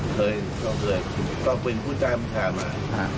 เคยก็เคยก็เป็นผู้จ่ายบัญชามา